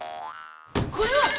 これは！